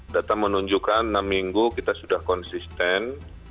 data menunjukkan enam minggu kita sudah konsisten